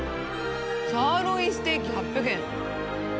「サーロインステーキ８００円」。